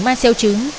ma xeo trứng